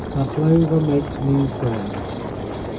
MASLOVA MAKES NEW FRIENDS.